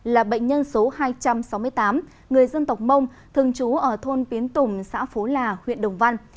là bệnh nhân số hai trăm sáu mươi tám người dân tộc mông thường trú ở thôn tiến tùng xã phố là huyện đồng văn